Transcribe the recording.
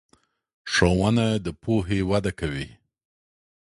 ښوونه د پوهې وده کوي.